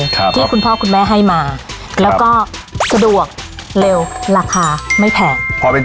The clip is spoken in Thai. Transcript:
มันบางมากมันกันไฟน์เนื้อแล้วกันไฟน์เนื้อแล้วกันแหละครับ